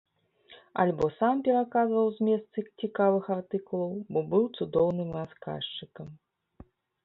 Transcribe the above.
Альбо сам пераказваў змест цікавых артыкулаў, бо быў цудоўным расказчыкам.